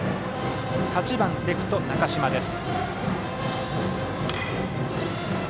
８番レフト、中嶋です。